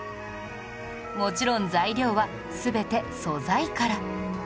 もちろん材料は全て素材から